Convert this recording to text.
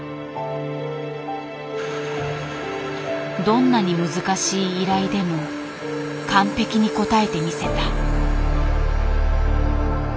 どんなに難しい依頼でも完璧に応えてみせた。